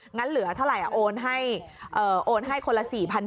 งั้นเหลือเท่าไหร่โอนให้คนละ๔๔๐๐